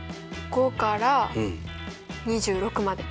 ５から２６まで。